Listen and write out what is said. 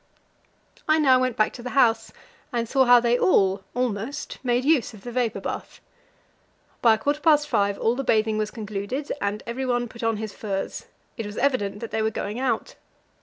I now went back to the house, and saw how they all almost made use of the vapour bath. By a quarter past five all the bathing was concluded, and everyone put on his furs; it was evident that they were going out.